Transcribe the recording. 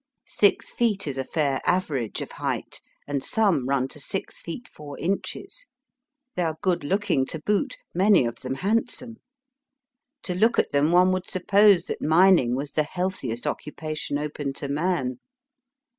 Six feet is a fair average of height, and some run to 6 feet 4 inches. They are good looking to boot, many of them handsome. To look at them one would suppose that mining was the healthiest occupation open to man.